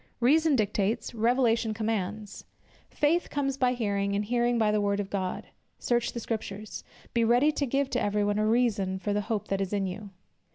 Reason dictates, Revelation commands; "Faith comes by hearing, and hearing by the word of God." "Search the Scriptures," "Be ready to give to every one a reason of the hope that is in you."